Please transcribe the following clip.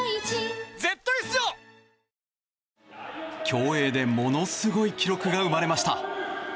競泳でものすごい記録が生まれました。